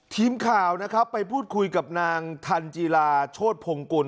ทีมข่าวนะครับไปพูดคุยกับนางทันจีลาโชธพงกุล